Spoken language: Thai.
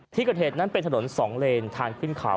ที่เกิดเหตุนั้นเป็นถนน๒เลนทางขึ้นเขา